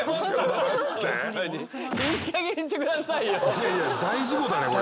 いやいや大事故だよこれ。